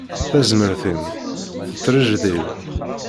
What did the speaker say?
Tazmert-im tettrejdil.